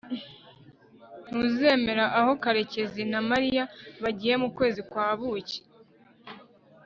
ntuzemera aho karekezi na mariya bagiye mu kwezi kwa buki